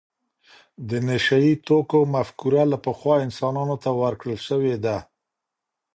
د نشه یې توکو مفکوره له پخوا انسانانو ته ورکړل شوې ده.